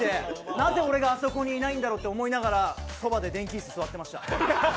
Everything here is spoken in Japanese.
なぜ、俺があそこにいないんだろうと思いまして、そばで電気椅子に座ってました。